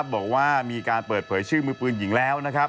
บอกว่ามีการเปิดเผยชื่อมือปืนหญิงแล้วนะครับ